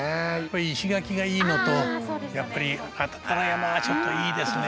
石垣がいいのとやっぱり安達太良山がちょっといいですね